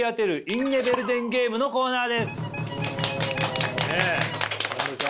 インネヴェルデンゲームのコーナー。